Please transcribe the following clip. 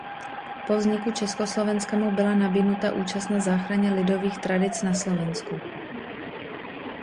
Po vzniku Československa mu byla nabídnuta účast na záchraně lidových tradic na Slovensku.